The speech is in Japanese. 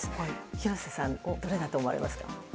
廣瀬さん、どれだと思われますか。